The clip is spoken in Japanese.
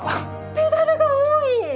ペダルが多い！